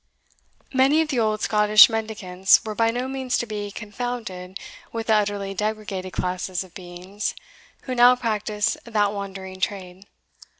Many of the old Scottish mendicants were by no means to be confounded with the utterly degraded class of beings who now practise that wandering trade.